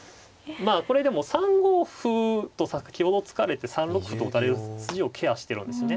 これでも３五歩と先を突かれて３六歩と打たれる筋をケアしてるんですね。